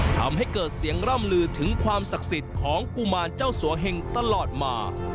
ทำให้เกิดเสียงร่ำลือถึงความศักดิ์สิทธิ์ของกุมารเจ้าสัวเหงตลอดมา